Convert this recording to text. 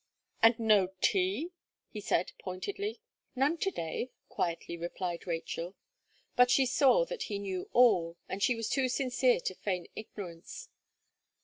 "And no tea?" he said, pointedly. "None to day," quietly replied Rachel; but she saw that he knew all, and she was too sincere to feign ignorance.